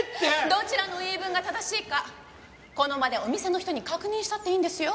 どちらの言い分が正しいかこの場でお店の人に確認したっていいんですよ。